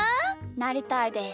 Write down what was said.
なりたいです。